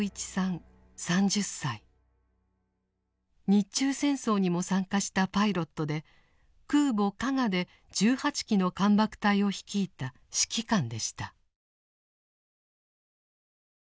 日中戦争にも参加したパイロットで空母「加賀」で１８機の艦爆隊を率いた指揮官でした。